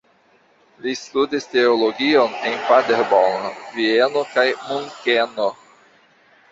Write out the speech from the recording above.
Li studis teologion en Paderborn, Vieno kaj Munkeno.